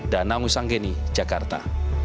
danang wissanggeni jakarta